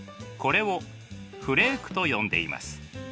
これをフレークと呼んでいます。